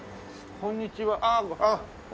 こんにちは。